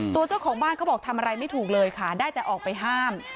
เจ้าของบ้านเขาบอกทำอะไรไม่ถูกเลยค่ะได้แต่ออกไปห้าม